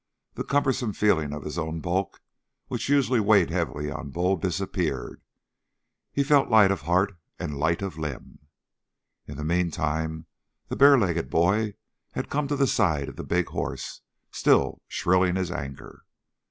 The cumbersome feeling of his own bulk, which usually weighed heavily on Bull, disappeared. He felt light of heart and light of limb. In the meantime the bare legged boy had come to the side of the big horse, still shrilling his anger.